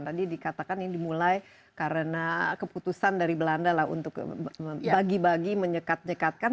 tadi dikatakan ini dimulai karena keputusan dari belanda lah untuk bagi bagi menyekat nyekatkan